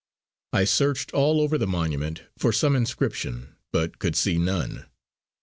I searched all over the monument for some inscription, but could see none.